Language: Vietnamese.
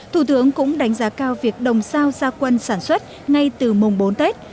thủ tướng cũng đánh giá cao việc đồng sao gia quân sản xuất ngay từ mùng bốn tết